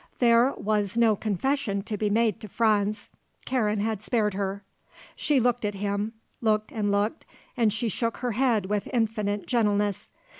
There was no confession to be made to Franz. Karen had spared her. She looked at him, looked and looked, and she shook her head with infinite gentleness.